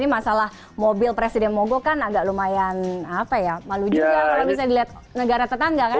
ini masalah mobil presiden mogok kan agak lumayan malu juga kalau bisa dilihat negara tetangga kan